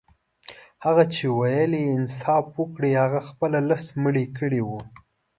هغه چي ويل يې انصاف وکړئ هغه خپله لس مړي کړي وه.